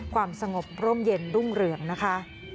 ความสงบร่มเย็นรุ่งเรืองนะคะ